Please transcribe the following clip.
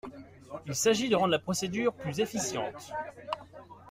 Il s’agit de rendre la procédure plus efficiente.